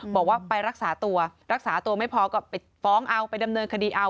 บอกว่าไปรักษาตัวรักษาตัวไม่พอก็ไปฟ้องเอาไปดำเนินคดีเอา